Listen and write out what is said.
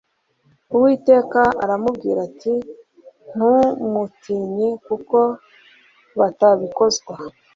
Uwiteka arambwira ati Ntumutinye kuko batabikozwa